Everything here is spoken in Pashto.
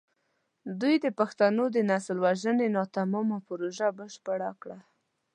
دوی د پښتنو د نسل وژنې ناتمامه پروژه بشپړه کړه.